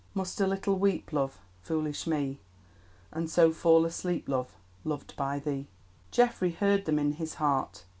Must a little weep, Love, (Foolish me!) And so fall asleep, Love, Loved by thee." Geoffrey heard them in his heart.